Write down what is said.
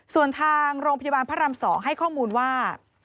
ส่วนทางโรงพยาบาลพระราม๒ให้ข้อมูลว่า